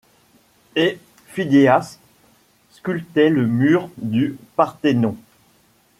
Et Phidias sculptait le mur du Parthénon ;